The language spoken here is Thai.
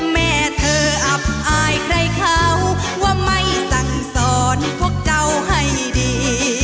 แม่เธออับอายใครเขาว่าไม่สั่งสอนพวกเจ้าให้ดี